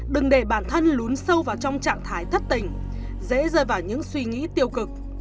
đừng để bản thân lún sâu vào trong trạng thái thất tình dễ rơi vào những suy nghĩ tiêu cực